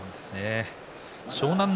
湘南乃